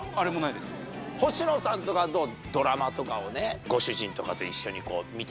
星野さんとかどう？